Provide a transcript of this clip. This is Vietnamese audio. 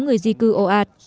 người di cư ồ ạt